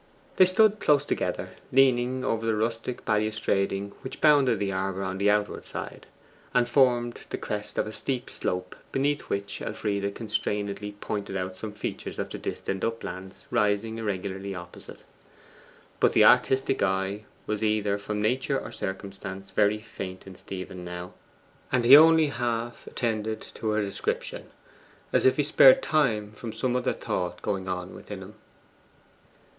They stood close together, leaning over the rustic balustrading which bounded the arbour on the outward side, and formed the crest of a steep slope beneath Elfride constrainedly pointed out some features of the distant uplands rising irregularly opposite. But the artistic eye was, either from nature or circumstance, very faint in Stephen now, and he only half attended to her description, as if he spared time from some other thought going on within him.